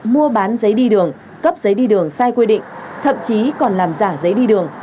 mua bán giấy đi đường cấp giấy đi đường sai quy định thậm chí còn làm giả giấy đi đường